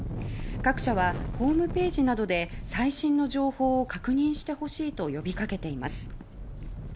各社はホームページなどで最新の情報を確認してほしいと呼びかけています。